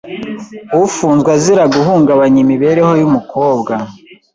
Ufunzwe azira guhungabanya imibereho y’umukobwa.